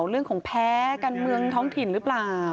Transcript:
เรื่องของแพ้กันเมืองท้องถิ่นหรือเปล่า